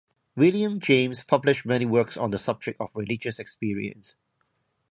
William James published many works on the subject of religious experience.